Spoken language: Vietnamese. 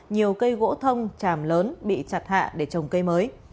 nhiều cây gỗ thông tràm lớn bị chặt hạ để trồng cây mới